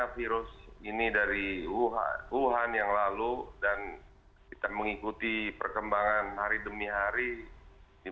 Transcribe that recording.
posisi lagi untuk mengkritisi